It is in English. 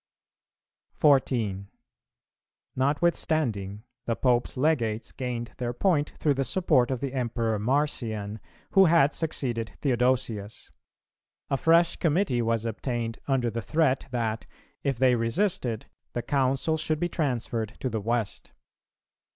Notwithstanding, the Pope's Legates gained their point through the support of the Emperor Marcian, who had succeeded Theodosius. A fresh committee was obtained under the threat that, if they resisted, the Council should be transferred to the West.